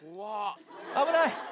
危ない！